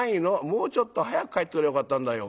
もうちょっと早く帰ってくりゃよかったんだよ。